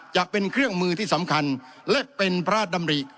จะเป็นเครื่องมือที่สำคัญและเป็นพระราชดำริ